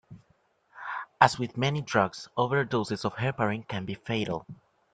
As with many drugs, overdoses of heparin can be fatal.